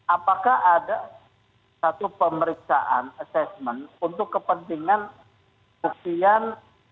apakah ada satu pemeriksaan assessment untuk kepentingan buktian